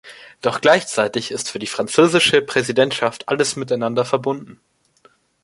Doch gleichzeitig ist für die französische Präsidentschaft alles miteinander verbunden.